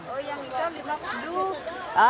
oh yang hitam lima puluh